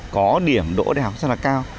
có điểm đỗ đại học rất là cao